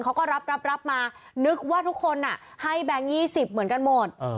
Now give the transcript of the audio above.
เขาก็รับมานึกว่าทุกคนให้แบงค์๒๐เหมือนกันหมด